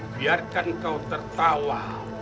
biarkan kau tertawa